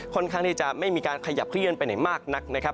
ข้างที่จะไม่มีการขยับเคลื่อนไปไหนมากนักนะครับ